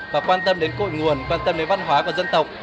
và quan tâm đến cội nguồn quan tâm đến văn hóa của dân tộc